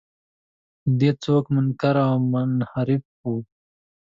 له دې څوک منکر او منحرف و.